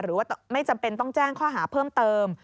หรือว่าไม่จำเป็นต้องแจ้งข้อหาเพิ่มเติม